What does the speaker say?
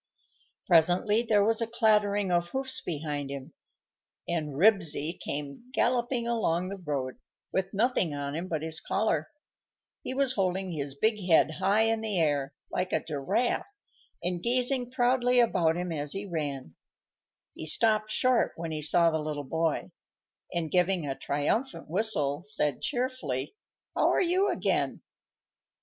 Presently there was a clattering of hoofs behind him, and Ribsy came galloping along the road, with nothing on him but his collar. He was holding his big head high in the air, like a giraffe, and gazing proudly about him as he ran. He stopped short when he saw the little boy, and, giving a triumphant whistle, said cheerfully, "How are you again?"